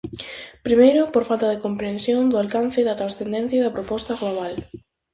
Primeiro, por falta de comprensión do alcance da transcendencia da proposta global.